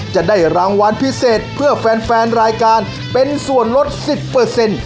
จะได้รางวัลพิเศษเพื่อแฟนแฟนรายการเป็นส่วนลดสิบเปอร์เซ็นต์